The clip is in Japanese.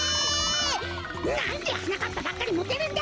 なんではなかっぱばっかりモテるんだ！